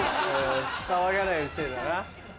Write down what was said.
騒がないようにしてんだな。